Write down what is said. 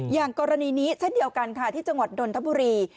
อย่างกรณีนี้เช่นเดียวกันค่ะที่จังหวัดนทบุรี